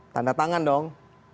tanda tangan dong